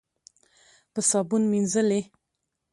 په صابون مینځلې.